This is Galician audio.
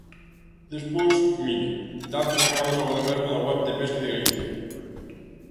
Despois, mire, datos sacados agora mesmo da web de pesca de Galicia.